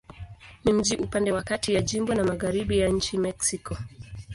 Ni mji upande wa kati ya jimbo na magharibi ya nchi Mexiko.